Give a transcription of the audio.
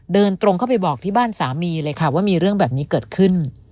เดินตรงเข้าไปบอกที่บ้านสามีเลยค่ะว่ามีเรื่องแบบนี้เกิดขึ้น